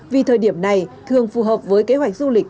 vì thời điểm này thường phù hợp với kế hoạch du lịch